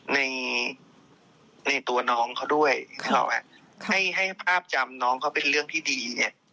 ในในตัวน้องเขาด้วยให้ภาพจำน้องเขาเป็นเรื่องที่ดี